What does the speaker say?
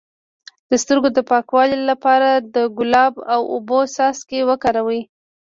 د سترګو د پاکوالي لپاره د ګلاب او اوبو څاڅکي وکاروئ